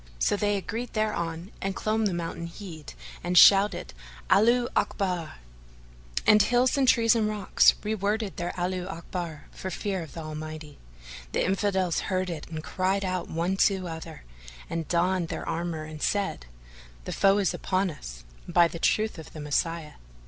So they agreed thereon and clomb the mountain head and shouted, "Allaho Akbar!"; and hills and trees and rocks re worded their Allaho Akbar for fear of the Almighty. The Infidels heard it and cried out one to other and donned their armour and said, "The foe is upon us, by the truth of the Messiah!"